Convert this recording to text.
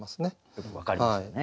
よく分かりますよね